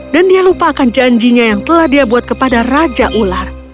dan dia lupakan janjinya yang telah dia buat kepada raja ular